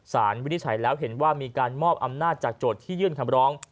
วินิจฉัยแล้วเห็นว่ามีการมอบอำนาจจากโจทย์ที่ยื่นคำร้อง